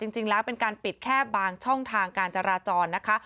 จริงแล้วเป็นการปิดแค่บางช่องทางการจราจรนะคะ